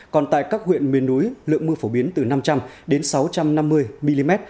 còn tại các huyện miền núi lượng mưa phổ biến từ năm trăm linh đến sáu trăm năm mươi mm